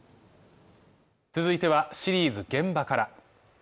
続いては、シリーズ「現場から」